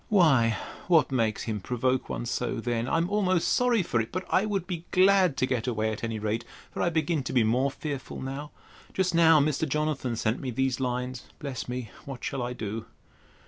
Why what makes him provoke one so, then?—I'm almost sorry for it; but I would be glad to get away at any rate. For I begin to be more fearful now. Just now Mr. Jonathan sent me these lines—(Bless me! what shall I do?)